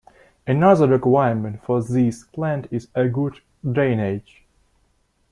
Another requirement for this plant is a good drainage.